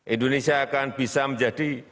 indonesia akan bisa menjadi